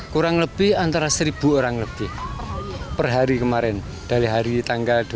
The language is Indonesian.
kurang lebih antara seribu orang lebih per hari kemarin dari hari tanggal dua puluh